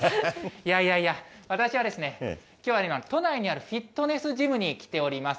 いやいやいや、私はですね、きょうは今、都内にあるフィットネスジムに来ております。